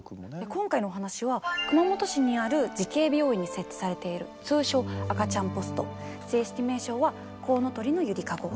今回のお話は熊本市にある慈恵病院に設置されている通称赤ちゃんポスト正式名称は「こうのとりのゆりかご」。